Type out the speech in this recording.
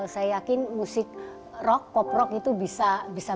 saya yakin musik rock pop rock itu bisa berjaya